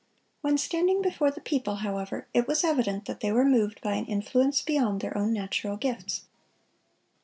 When standing before the people, however, it was evident that they were moved by an influence beyond their own natural gifts.